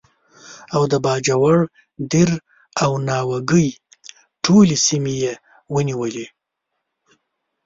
او د باجوړ، دیر او ناوګۍ ټولې سیمې یې ونیولې.